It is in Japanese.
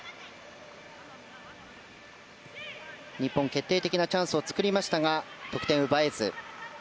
日本、決定的なチャンスを作りましたが得点を奪えず。